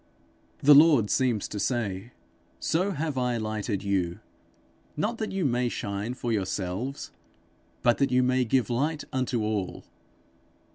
The Lord seems to say, 'So have I lighted you, not that you may shine for yourselves, but that you may give light unto all.